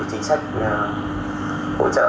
chính sách hỗ trợ